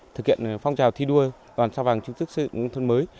thực hiện phong trào thi đua đoàn sao vàng chứng chức xây dựng thôn mới